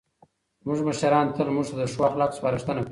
زموږ مشران تل موږ ته د ښو اخلاقو سپارښتنه کوي.